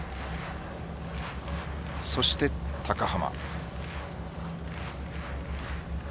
そして高濱。